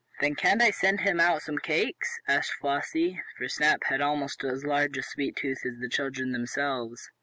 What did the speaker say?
"Then can't I send him out some cakes?" asked Flossie, for Snap had almost as large a "sweet tooth" as the children themselves.